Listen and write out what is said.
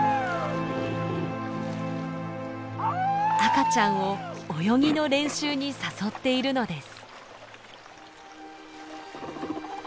赤ちゃんを泳ぎの練習に誘っているのです。